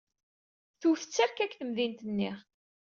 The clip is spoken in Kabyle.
Tewt tterka deg temdint-nni.